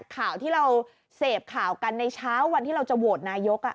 ข่าวที่เราเสพข่าวกันในเช้าวันที่เราจะโหวตนายก